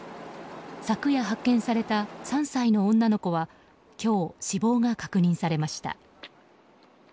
昨夜発見された３歳の女の子は今日、死亡が確認されました。